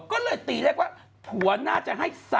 ก็เลยตีเลขว่าผัวน่าจะให้๓